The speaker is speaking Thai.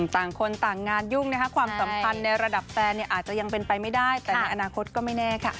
ต่างคนต่างงานยุ่งนะคะความสัมพันธ์ในระดับแฟนอาจจะยังเป็นไปไม่ได้แต่ในอนาคตก็ไม่แน่ค่ะ